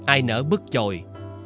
ai nỡ bức trồi